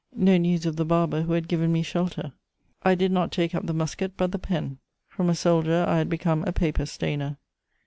No news of the barber who had given me shelter. I did not take up the musket, but the pen; from a soldier I had become a paper stainer.